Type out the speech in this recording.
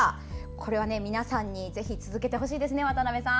これは、皆さんにぜひ続けてほしいですね渡邊さん。